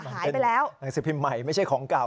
หายไปแล้วหนังสือพิมพ์ใหม่ไม่ใช่ของเก่า